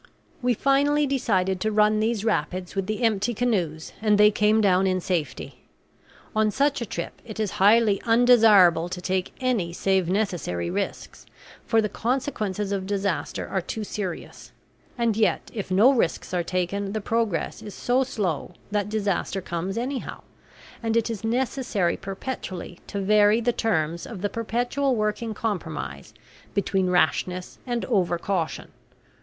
We finally decided to run these rapids with the empty canoes, and they came down in safety. On such a trip it is highly undesirable to take any save necessary risks, for the consequences of disaster are too serious; and yet if no risks are taken the progress is so slow that disaster comes anyhow; and it is necessary perpetually to vary the terms of the perpetual working compromise between rashness and over caution.